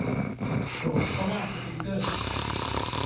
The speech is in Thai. โกรธก็วาดสติกเกอร์